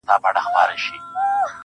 چي هغه زه له خياله وباسمه.